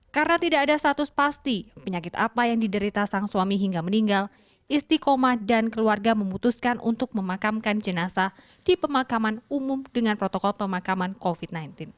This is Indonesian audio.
karena tidak ada status pasti penyakit apa yang diderita sang suami hingga meninggal istiqomah dan keluarga memutuskan untuk memakamkan jenasa di pemakaman umum dengan protokol pemakaman covid sembilan belas